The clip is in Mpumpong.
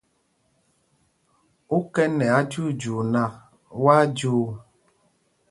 Ú kɛ nɛ ajyuujyuu nak, wá á jyuu.